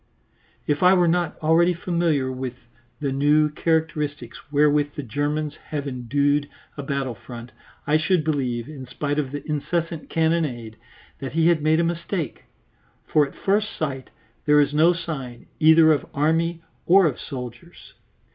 If I were not already familiar with the new characteristics wherewith the Germans have endued a battle front, I should believe, in spite of the incessant cannonade, that he had made a mistake, for at first sight there is no sign either of army or of soldiers.